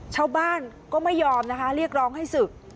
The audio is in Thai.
ชาวบ้านก็ไม่ยอมนะคะเรียกร้องให้ศึก